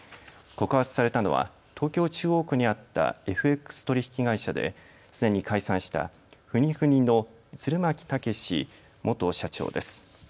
告発されたのは東京中央区にあったＦＸ取引会社ですでに解散したＦｕｎｎｙＦｕｎｎｙの釣巻剛志元社長です。